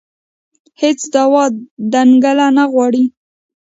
هېڅ دعوا دنګله نه غواړي